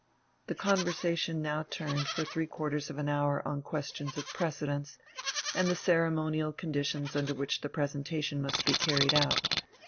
The conversation now turned for three quarters of an hour on questions of precedence, and the ceremonial conditions under which the presentation must be carried out.